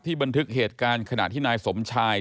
บันทึกเหตุการณ์ขณะที่นายสมชาย